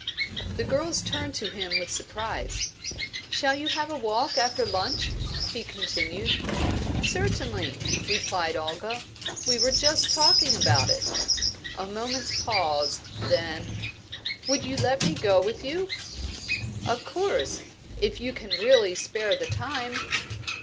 The girls turned to him with surprise. "Shall you have a walk after lunch?" he continued. "Certainly," replied Olga. "We were just talking about it." A moment's pause then: "Would you let me go with you?" "Of course if you can really spare the time."